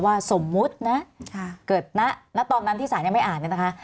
ว่าสมมุตินะเกิดนะตอนนั้นที่ศาลยังไม่อ่านนะคะ